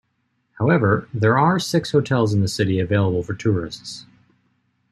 However, there are six hotels in the city available for tourists.